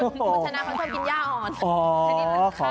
มุชชะนาควันศพกินย่าอ่อน